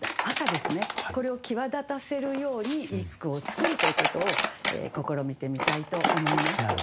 これを際立たせるように一句を作るということを試みてみたいと思います。